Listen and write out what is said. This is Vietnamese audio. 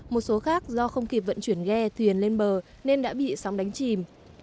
một số khác do không kịp vận chuyển ghe thuyền lên bờ nên đã bị sóng đánh chìm